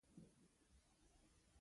په تدريج سره په کې نور بدلونونه راغلل.